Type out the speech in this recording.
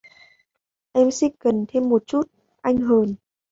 Em xích gần thêm một chút, anh hờn